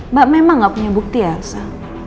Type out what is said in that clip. mbak memang gak punya bukti ya elsa